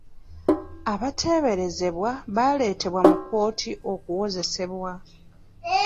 Abateeberezebwa baleetebwa mu kkooti okuwozesebwa.